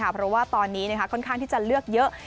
เพราะว่าตอนนี้ค่อนข้างที่จะเลือกเยอะ